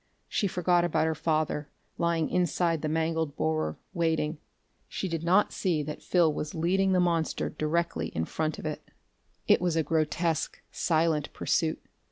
She forgot about her father, lying inside the mangled borer, waiting. She did not see that Phil was leading the monster directly in front of it.... It was a grotesque, silent pursuit.